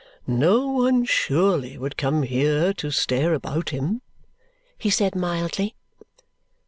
"No one, surely, would come here to stare about him," he said mildly.